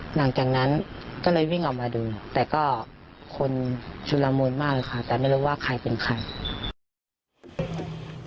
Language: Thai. หลังจากนั้นก็เลยวิ่งออกมาดูแต่ก็คนชุลมูลมากเลยค่ะแต่ไม่รู้ว่าใครเป็นใคร